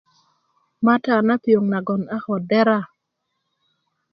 mata na piong nagon a ko dera